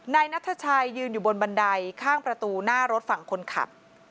นายนัทชัยยืนอยู่บนบันไดข้างประตูหน้ารถฝั่งคนขับ